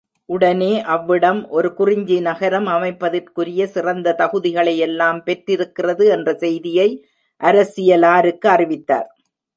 உடனே, அவ்விடம் ஒரு குறிஞ்சி நகரம் அமைப்பதற்குரிய சிறந்த தகுதிகளையெல்லாம் பெற்றிருக்கிறது என்ற செய்தியை அரசியலாருக்கு அறிவித்தார்.